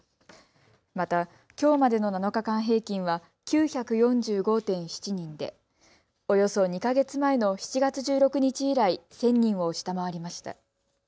また、きょうまでの７日間平均は９４５．７人でおよそ２か月前の７月１６日以来、１０００人を下回りました。